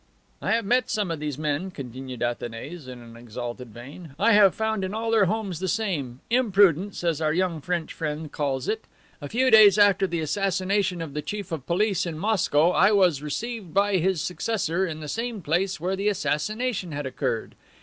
"I have met some of these men," continued Athanase in exalted vein. "I have found in all their homes the same imprudence, as our young French friend calls it. A few days after the assassination of the Chief of Police in Moscow I was received by his successor in the same place where the assassination had occurred.